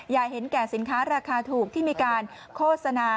อย่าเห็นแก่สินค้าราคาถูกที่มีการโฆษณา